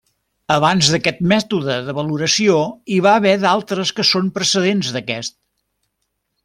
Abans d'aquest mètode de valoració hi va haver d'altres que són precedents d'aquest.